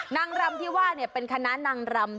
นางรำที่ว่าเป็นคณะนางรำ